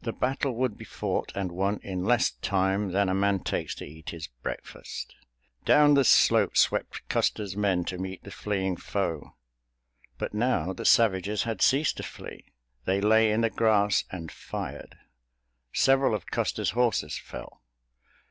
The battle would be fought and won in less time than a man takes to eat his breakfast. Down the slope swept Custer's men to meet the fleeing foe. But now the savages had ceased to flee. They lay in the grass and fired. Several of Custer's horses fell.